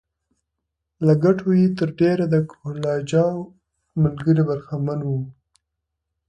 له ګټو یې تر ډېره د کهول اجاو ملګري برخمن وو